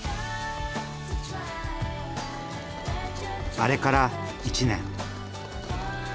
あれから１年。